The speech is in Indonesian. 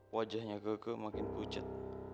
wajahnya keke makin pucat